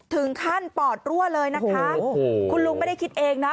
ปอดรั่วเลยนะคะโอ้โหคุณลุงไม่ได้คิดเองนะ